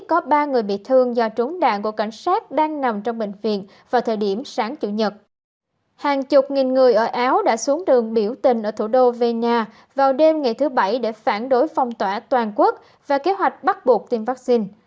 hàng chục nghìn người ở áo đã xuống đường biểu tình ở thủ đô vena vào đêm ngày thứ bảy để phản đối phong tỏa toàn quốc và kế hoạch bắt buộc tiêm vaccine